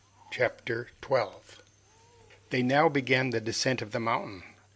Chapter 12 They now began the descent of the mountain.